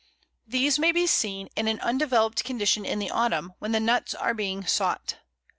These may be seen in an undeveloped condition in the autumn, when the nuts are being sought.